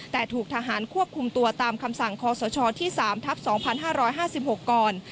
แต่ถูกทหารควบคุมตัวตามคำสั่งคศที่๓ทับ๒๕๕๖ก่อน